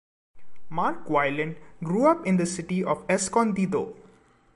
Mark Wyland grew up in the city of Escondido.